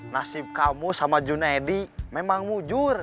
nasib kamu sama junaidi memang mujur